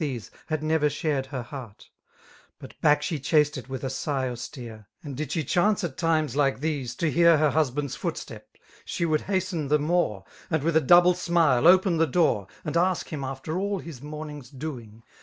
thesej had never shared her hearty But back she chased it with a sigh austere; ^ And did she chance^ at times like these^ to hear Her husband's footstep^ she would haste the nuNrei And with a double smile open the door. And ask him after all his monuug's doing.